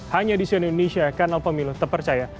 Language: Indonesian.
hanya di sian indonesia kanal pemilu terpercaya